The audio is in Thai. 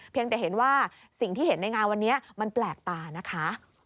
แต่เห็นว่าสิ่งที่เห็นในงานวันนี้มันแปลกตานะคะ